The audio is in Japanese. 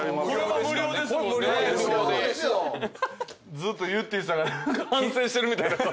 ずっとゆってぃさんが何か反省してるみたいな顔。